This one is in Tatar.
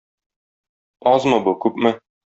Азмы бу, күпме?